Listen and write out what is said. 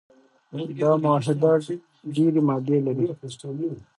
دا معاهده ډیري مادې لري.